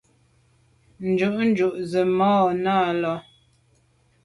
Jù jujù ze màa na là.